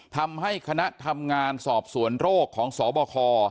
ทำให้คณะทำงานสอบสวนโรคของสบค